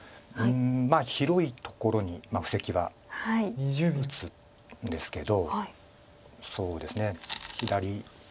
広いところに布石は打つんですけどそうですね左。